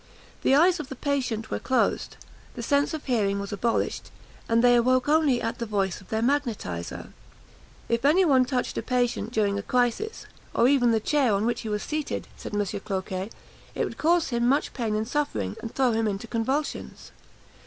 The eyes of the patients were closed, the sense of hearing was abolished; and they awoke only at the voice of their magnetiser. "If any one touched a patient during a crisis, or even the chair on which he was seated," says M. Cloquet, "it would cause him much pain and suffering, and throw him into convulsions.